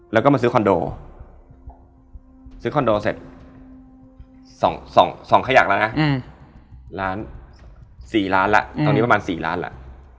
แล้วก็มาซื้อคอนโดซื้อคอนโดเสร็จ๒ขยักแล้วนะล้าน๔ล้านแล้วตอนนี้ประมาณ๔ล้านแล้ว